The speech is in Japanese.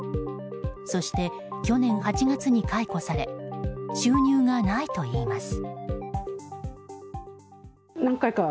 そして、去年８月に解雇され収入がないといいます。